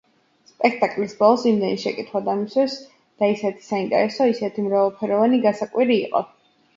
სპექტაკლის ბოლოს იმდენი შეკითხვა დამისვეს და ისეთი საინტერესო, ისეთი მრავალფეროვანი, გასაკვირი იყო.